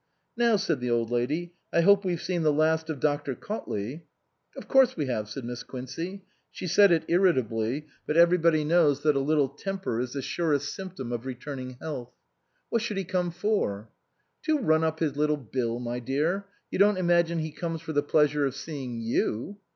" Now," said the Old Lady, " I hope we've seen the last of Dr. Cautley." " Of course we have," said Miss Quincey. She said it irritably, but everybody knows that a 243 SUPERSEDED little temper is the surest symptom of returning health. " What should he come for ?"" To run up his little bill, my dear. You don't imagine he comes for the pleasure of seeing you?"